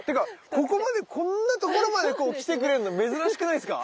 ここまでこんな所までこう来てくれんの珍しくないですか？